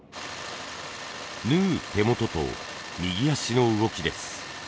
縫う手元と右足の動きです。